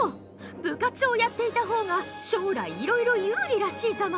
部活をやっていた方が将来色々有利らしいザマス。